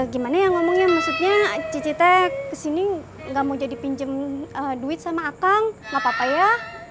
gimana yang ngomongnya maksudnya cici teh kesini gak mau jadi pinjam duit sama akang gapapa ya